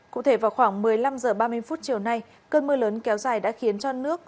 cụ thể vào khoảng một mươi năm h ba mươi chiều nay cơn mưa lớn kéo dài đã khiến cho nước